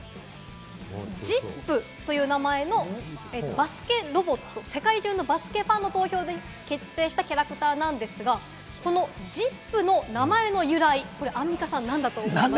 ＪＩＰという名前のバスケロボット、世界中のバスケファンの投票で決定したキャラクターなんですが、このＪＩＰの名前の由来、アンミカさんなんだと思いますか？